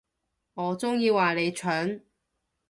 我中意話你蠢